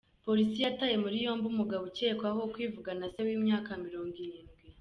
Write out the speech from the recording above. Polisi yataye muri yombi umugabo ukekwaho kwivugana se w’imyaka Mirongo Irindwi